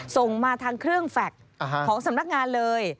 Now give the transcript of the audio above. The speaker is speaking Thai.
ส่งมาทางเครื่องแฟลต์ของสำนักงานเลย